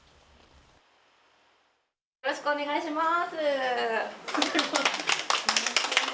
よろしくお願いします。